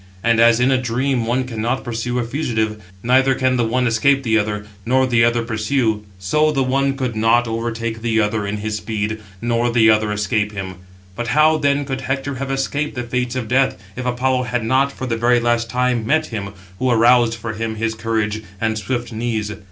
And as in a dream one cannot pursue a fugitive; neither can the one escape the other, nor the other pursue: so the one could not overtake the other in his speed, nor the other escape him. But how, then, could Hector have escaped the fates of death, if Apollo had not, for the very last time, met him, who aroused for him his courage and swift knees?